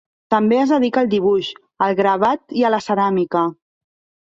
També es dedica al dibuix, al gravat i a la ceràmica.